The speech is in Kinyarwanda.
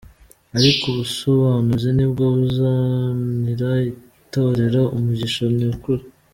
Ariko ubusobanuzi nibwo buzanira itorero umugisha nyakuri.